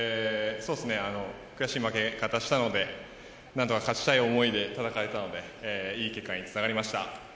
悔しい負け方をしたので何とか勝ちたい思いで戦えたのでいい結果につながりました。